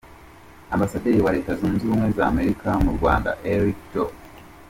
Ambasaderi wa Leta Zunze Ubumwe z’Amerika mu Rwanda Erica J.